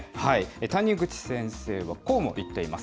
谷口先生は、こうも言っています。